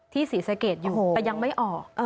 ศรีสะเกดอยู่แต่ยังไม่ออก